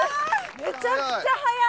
めちゃくちゃ速い！